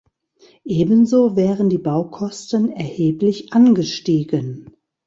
Ebenso wären die Baukosten erheblich angestiegen.